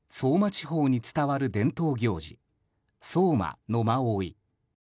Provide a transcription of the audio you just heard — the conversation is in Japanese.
地方に伝わる伝統行事、相馬野馬追。